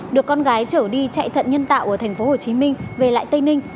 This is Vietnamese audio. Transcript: được con gái trở đi chạy thận nhân tạo ở tp hcm về lại tây ninh